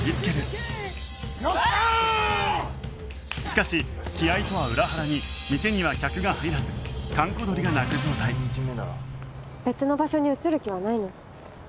しかし気合とは裏腹に店には客が入らず閑古鳥が鳴く状態別の場所に移る気はないの？